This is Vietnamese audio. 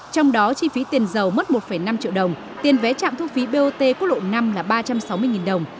trong đó chi phí tiền giàu mất một năm triệu đồng tiền vé trạm thu phí bot quốc lộ năm là ba trăm sáu mươi đồng